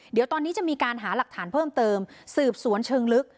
เดี๋ยวตอนนี้จะมีการหาหลักฐานเพิ่มเติมสืบสวนเชิงลึก